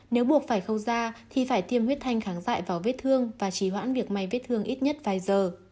nếu buộc phải khâu ra thì phải tiêm huyết thanh kháng dại vào vết thương và trí hoãn việc may vết thương ít nhất vài giờ